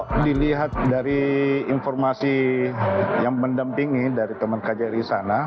kalau dilihat dari informasi yang mendampingi dari teman kjri sana